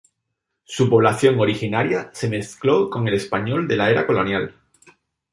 Su población originaria se mezcló con el español de la era colonial.